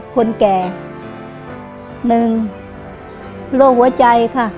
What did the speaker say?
คนแก่๑โรคหัวใจค่ะ